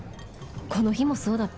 この日もそうだった